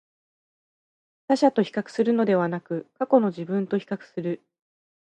他者と比較するのではなく、過去の自分と比較する